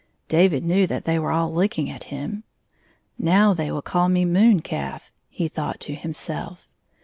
David knew that they were all looking at him. " Now they will call me moon calf," he thought to himself.